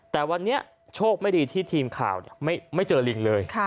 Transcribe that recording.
แต่วันนี้โชคไม่ดีที่ทีมข่าวไม่เจอลิงเลย